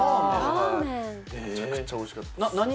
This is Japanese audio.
めちゃくちゃ美味しかったです。